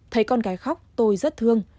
thấy con gái khóc tôi rất thương